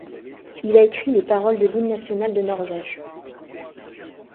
Il a écrit les paroles de l'hymne national de Norvège.